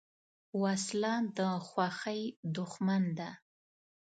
وسله د خوښۍ دښمن ده